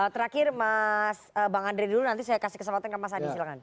terakhir bang andre dulu nanti saya kasih kesempatan ke mas adi silahkan